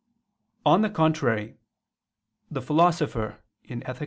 On the contrary, The Philosopher (Ethic.